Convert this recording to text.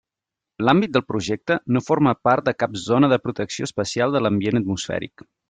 L'àmbit del Projecte no forma part de cap zona de protecció especial de l'ambient atmosfèric.